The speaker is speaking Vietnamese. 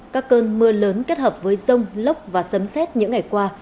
các cơn mưa lớn kết hợp với rông lốc và sấm xét những ngày qua